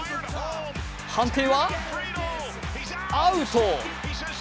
判定はアウト。